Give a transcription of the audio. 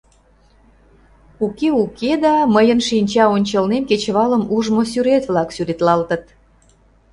Уке-уке да, мыйын шинча ончылнем кечывалым ужмо сӱрет-влак сӱретлалтыт.